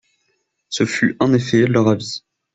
Ce fut, en effet, leur avis.